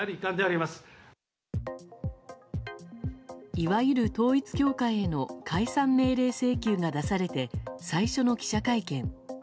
いわゆる統一教会への解散命令請求が出されて最初の記者会見。